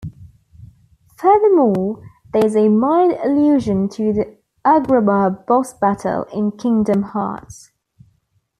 Furthermore, there is a mild allusion to the Agrabah boss battle in "Kingdom Hearts".